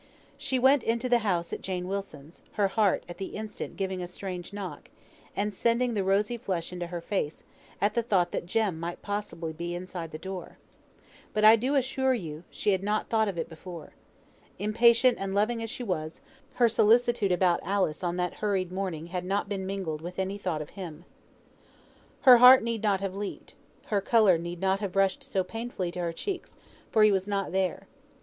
She went into the house at Jane Wilson's, her heart at the instant giving a strange knock, and sending the rosy flush into her face, at the thought that Jem might possibly be inside the door. But I do assure you, she had not thought of it before. Impatient and loving as she was, her solicitude about Alice on that hurried morning had not been mingled with any thought of him. Her heart need not have leaped, her colour need not have rushed so painfully to her cheeks, for he was not there.